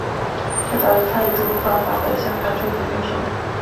这导致他一度无法返回香港出庭应讯。